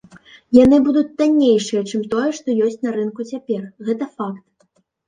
Яны будуць таннейшыя, чым тое, што ёсць на рынку цяпер, гэта факт.